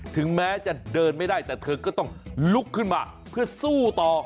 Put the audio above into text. ถึงแม้จะเดินไม่ได้แต่เธอก็ต้องลุกขึ้นมาเพื่อสู้ต่อ